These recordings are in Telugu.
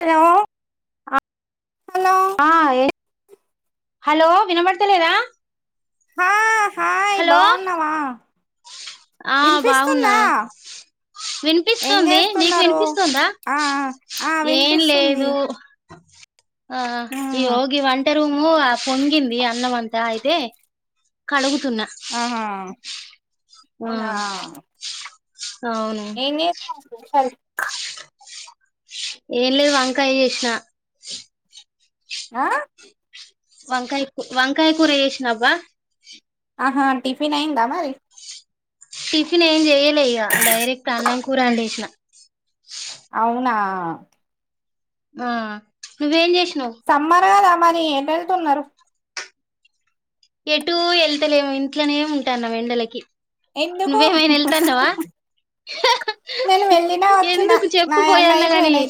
హలో హలో ఆ ఏ హలో వినబడతలేదా హా హాయ్ హలో బాగున్నావా ఆ బాగున్నా వినిపిస్తుందా ఏం వినిపిస్తుంది నీకు చేస్తున్నారు వినిపిస్తుందా ఆ ఆ ఏం వినిపిస్తుంది లేదు అ ఆ ఈ ఉమ్ హగి వంట రు పొంగింది అన్నం అంతా అయితే కడుగు ఆహా ఆ అవునా అవును ఏమీ ఏం లేదు వంకాయ చేసిన ఆ వంకాయ కూ వంకాయ కూర చేసినబ్బా ఆహా టిఫిన్ అయ్యిందా మరి టిఫిన్ ఏం చేయలే డైరెక్ట్ అన్నం కూర అండేషిన [unintelligible] అవునా ఆ నువ్వు ఏం చెస్ సమ్మ కదా మరీ ఏటా వెళ్తున్నారు ఎటు వెళ్తలేము ఇంట్లోనే ఉంటాన్న ఎండలకి ఎందుకు నువ్వేమైనా వెళ్తాన్నావా నేను వెళ్ళినా వచ్చినా ఎందుకు నాయన్ని చెప్పుపోయాన్నా గానీ అయిపోయినాయి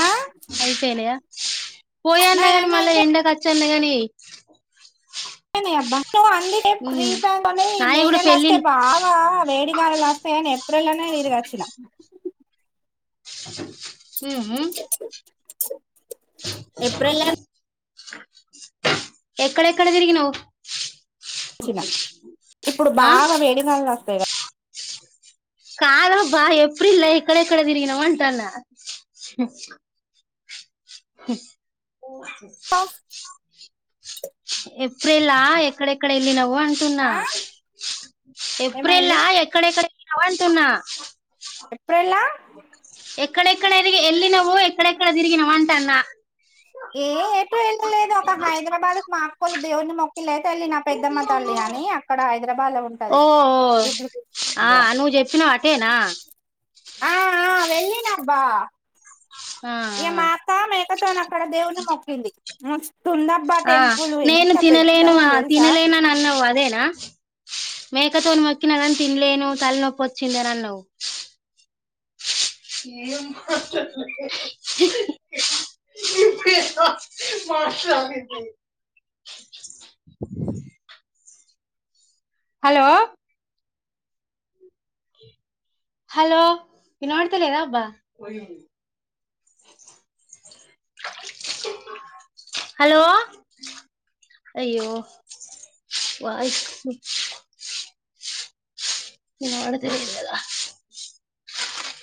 ఆ అయిపోయినాయా పోయాన్నాని నాయన్ని మాల అయిపోయి ఎండకా చినగానే అయినాయి అబ్బా నువ్వు అందుకే ఫీ ఉమ్ టైమ్ లోనే ఈ నాయి మే కూడా నెల వస్తే పెళ్ళిళ్ళు బాగా వేడికలులు వస్తా అని ఏప్రిల్ లోనే తిరిగి వచ్చిన ఉమ్ మ్మ్ ఏప్రిల్ లోనే ఎక్కడ ఎక్కడ తిరిగిన్ వచ్చిన ఇప్పుడు బాగా వేడి గాలులు వస్తాయి కదా కాదు బా ఎప్రిల్ ఎక్కడ ఎక్కడ తిరిగినావ్ అంటూనా ఓకే కదా ఏప్రిల్ ఎక్కడెక్కడ వెళ్ళినవ్ అంటున్నా ఆ ఎప్రిల్ ఏమైంది ఎక్కడెక్కడ వంటున్నా ఎప్రిల్లా ఎక్కడ ఎక్కడ వెళ్ళినావ్ ఎక్కడెక్కడ తిరిగిన వంటానా ఏ ఎటు వెల్ళలేదు ఒక హైదరాబాద్ మా అక్కోల్ దేవునీ అయితే వెళ్ళిన పెద్దమ్మ తల్లి అని అక్కడ హైదరాబాద్ లో ఉంటది ఓ ఓ ఆ నువ్వు చెప్పినవు అటేనా ఆ ఆ వెళ్ళి అబ్బా ఆ ఈ మా ఆ అక్క మేకతోని అక్కడ దేవుని మొక్కింది [unintelligible] ఆ టెంపుల్ నేను ఎంత పెద్దగా తినలేను ఉంది తెలుసా తినలేనా నన్న అదేనా మేకతోను మొక్కినదని తినలేను తల్లనొప్పిచ్చిందని అన్నావు ఏ మాష మాష హలో హలో ఇ నోడతలేదా అబ్బా హలో అయ్యో వాయిస్ నను వాడుతదద